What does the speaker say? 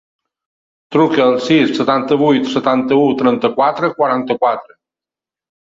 Truca al sis, setanta-vuit, setanta-u, trenta-quatre, quaranta-quatre.